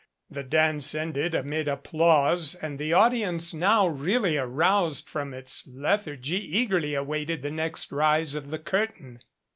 The dance ended amid applause and the audience now really aroused from its lethargy eagerly awaited the next rise of the curtain.